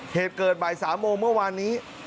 เหตุเกิดบ่าย๓โมงเมื่อวานนี้